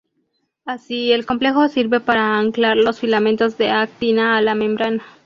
Así, el complejo sirve para anclar los filamentos de actina a la membrana.